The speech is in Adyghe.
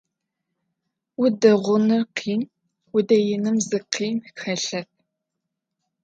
Удэгъуныр къин, удэиным зи къин хэлъэп.